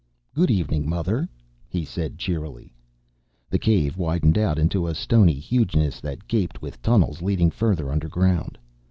"Good evening, mother," he said cheerily. The cave widened out into a stony hugeness that gaped with tunnels leading further underground.